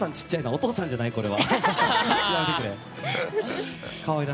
お父さんじゃないな、これ。